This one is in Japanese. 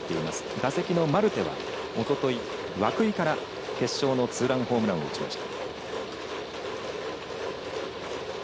打席のマルテはおととい涌井から決勝のツーランホームランを打ちました。